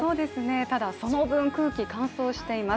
ただその分、空気、乾燥しています。